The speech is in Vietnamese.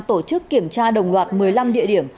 tổ chức kiểm tra đồng loạt một mươi năm địa điểm